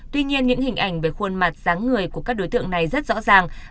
tuy nhiên những hình ảnh về khuôn mặt giáng người của các đối tượng này rất rõ ràng